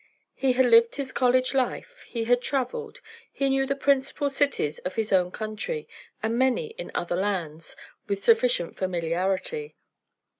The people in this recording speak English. He had lived his college life; he had travelled; he knew the principal cities of his own country, and many in other lands, with sufficient familiarity.